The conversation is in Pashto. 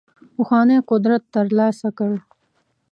پخوانی قدرت ترلاسه کړ.